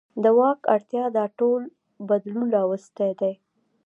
د واک اړتیا دا ټول بدلون راوستی دی.